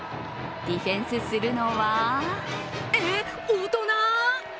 ディフェンスするのは、え、大人！？